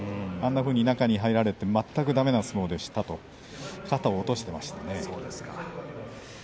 あんなふうに中に入られて全くだめな相撲でしたと肩を落としていましたね。